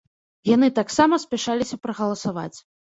Яны таксама спяшаліся прагаласаваць.